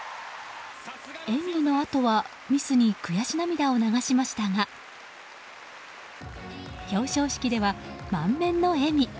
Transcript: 演技のあとはミスに悔し涙を流しましたが表彰式では、満面の笑み。